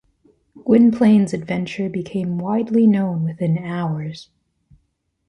Gwynplaine’s adventure became widely known within hours.